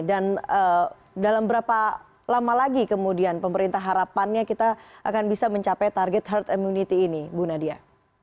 dan dalam berapa lama lagi kemudian pemerintah harapannya kita akan bisa mencapai target herd immunity ini bu nadia